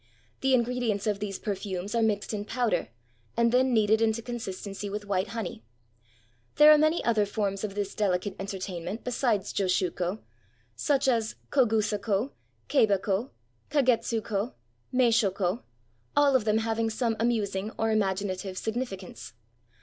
The ingredients of these perfumes are mixed in powder and then kneaded into consist ency with white honey. There are many other forms of this delicate entertainment besides josshuko — such as 412 AN INCENSE PARTY kogusa ko, keiba ko, kagetsu ko, meisho ko, all of them having some amusing or imaginative significance.